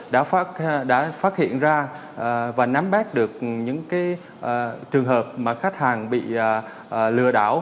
đã phát hiện ra và nắm bắt được những trường hợp mà khách hàng bị lừa đảo